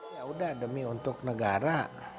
ya udah demi untuk negara